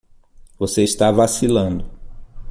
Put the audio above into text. Você está vacilando.